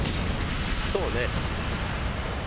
そうね。